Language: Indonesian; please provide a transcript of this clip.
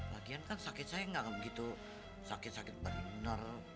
lagian kan sakit saya ga begitu sakit sakit bener